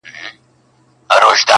دنظم عنوان دی قاضي او څارنوال,